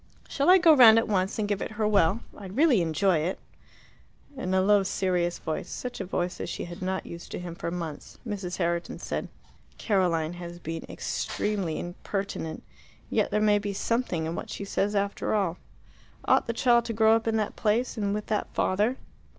"Shall I go round at once and give it her well? I'd really enjoy it." In a low, serious voice such a voice as she had not used to him for months Mrs. Herriton said, "Caroline has been extremely impertinent. Yet there may be something in what she says after all. Ought the child to grow up in that place and with that father?"